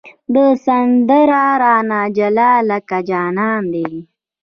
سمندر رانه جلا لکه جانان دی